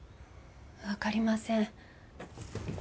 わかりません。